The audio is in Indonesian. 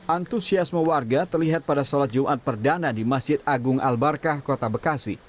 antusiasme warga terlihat pada sholat jumat perdana di masjid agung al barkah kota bekasi